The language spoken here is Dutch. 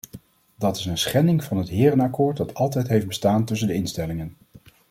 Dat is een schending van het herenakkoord dat altijd heeft bestaan tussen de instellingen.